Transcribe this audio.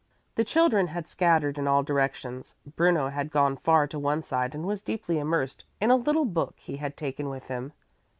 The children had scattered in all directions. Bruno had gone far to one side and was deeply immersed in a little book he had taken with him.